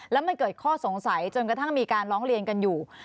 แล้วมันเกิดข้อสงสัยจนกระทั่งมีการร้องเรียนกันอยู่